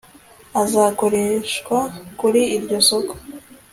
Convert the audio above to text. azakoreshwa kuri iryo soko